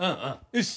よし！